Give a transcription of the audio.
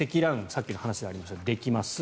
さっきの話にもありましたができます。